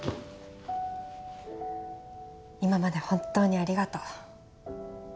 今まで本当にありがとう。